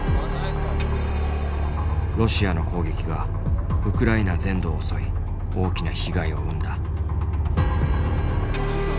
ロシアの攻撃がウクライナ全土を襲い大きな被害を生んだ。